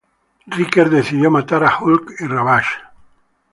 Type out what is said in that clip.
Ryker decidió matar a Hulk y Ravage.